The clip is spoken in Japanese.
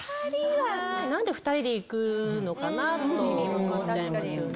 何で２人で行くのかなと思っちゃいますよね。